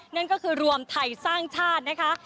นั่นก็คือรวมไทยสร้างชาตินะคะ